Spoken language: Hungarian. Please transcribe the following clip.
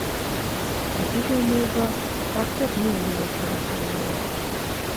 Egy idő múlva már több millió követője lett.